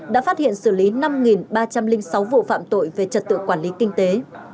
đã phát hiện xử lý năm ba trăm linh sáu vụ phạm tội về trật tự quản lý kinh tế